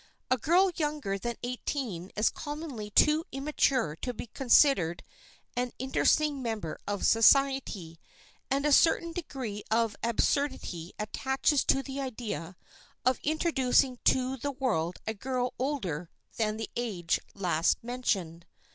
A girl younger than eighteen is commonly too immature to be considered an interesting member of society, and a certain degree of absurdity attaches to the idea of introducing to the world a girl older than the age last mentioned.